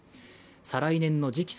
再来年の次期